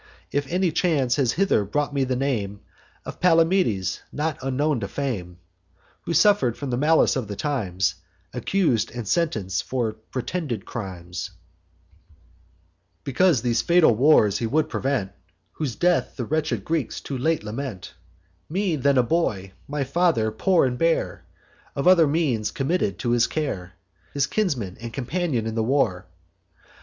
If any chance has hither brought the name Of Palamedes, not unknown to fame, Who suffer'd from the malice of the times, Accus'd and sentenc'd for pretended crimes, Because these fatal wars he would prevent; Whose death the wretched Greeks too late lament; Me, then a boy, my father, poor and bare Of other means, committed to his care, His kinsman and companion in the war.